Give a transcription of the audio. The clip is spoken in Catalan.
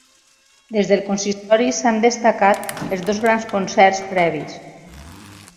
Des del consistori s’han destacat els dos grans concerts previs.